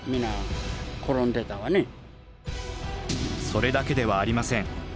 それだけはありません。